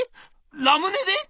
ラムネで？」。